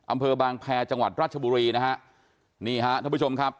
อำเภอบางแพรจังหวัดราชบุรีนะฮะนี่ฮะท่านผู้ชมครับ